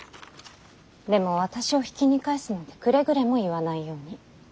でも私を比企に返すなんてくれぐれも言わないように。